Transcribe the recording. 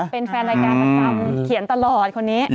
เป็นแฟนรายการประจำเขียนตลอดคนนี้